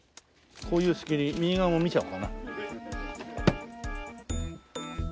こういう隙に右側も見ちゃおうかな。